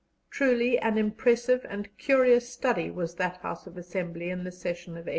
Truly an impressive and curious study was that House of Assembly in the session of 1899.